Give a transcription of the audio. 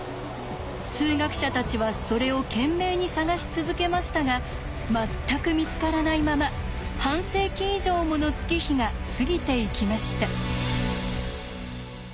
数学者たちはそれを懸命に探し続けましたが全く見つからないまま半世紀以上もの月日が過ぎていきました。